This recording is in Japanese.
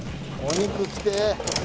お肉来て。